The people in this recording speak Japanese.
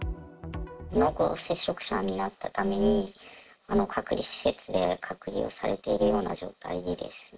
濃厚接触者になったために、隔離施設で隔離をされているような状態ですね。